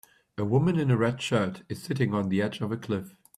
A woman in a red shirt is sitting on the edge of a cliff.